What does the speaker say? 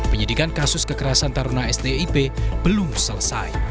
penyidikan kasus kekerasan taruna sdip belum selesai